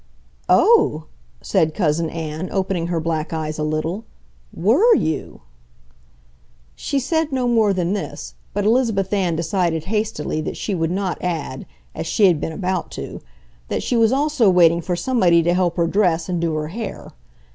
"Oh," said Cousin Ann, opening her black eyes a little. "WERE you?" She said no more than this, but Elizabeth Ann decided hastily that she would not add, as she had been about to, that she was also waiting for somebody to help her dress and do her hair.